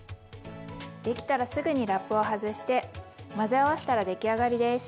できたらすぐにラップを外して混ぜ合わしたら出来上がりです。